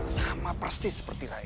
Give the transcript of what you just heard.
sama persis seperti raya